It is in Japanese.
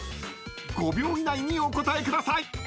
［５秒以内にお答えください］